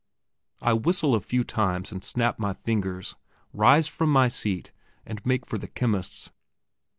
I whistle a few times and snap my fingers, rise from my seat, and make for the chemist's.